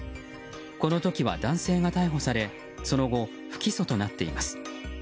この時は男性が逮捕されその後、不起訴となっています。